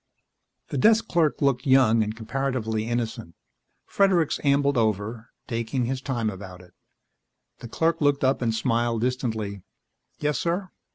The desk clerk looked young and comparatively innocent. Fredericks ambled over, taking his time about it. The clerk looked up and smiled distantly. "Yes, sir?"